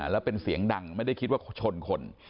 แล้วเป็นเสียงดังไม่ได้คิดว่าชนคน